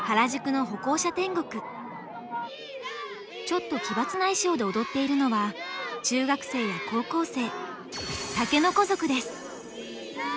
ちょっと奇抜な衣装で踊っているのは中学生や高校生。